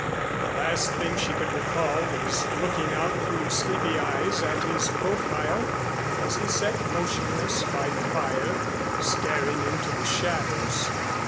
The last thing she could recall was looking out through sleepy eyes at his profile as he sat motionless by the fire staring into the shadows.